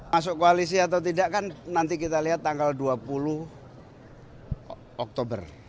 masuk koalisi atau tidak kan nanti kita lihat tanggal dua puluh oktober